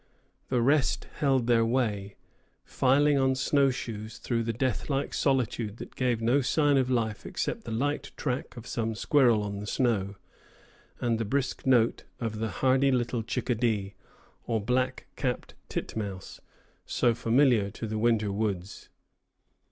The rest held their way, filing on snow shoes through the deathlike solitude that gave no sign of life except the light track of some squirrel on the snow, and the brisk note of the hardy little chickadee, or black capped titmouse, so familiar to the winter woods.